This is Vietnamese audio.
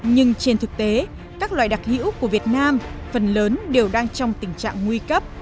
nhưng trên thực tế các loại đặc hữu của việt nam phần lớn đều đang trong tình trạng nguy cấp